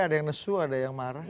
ada yang nesu ada yang marah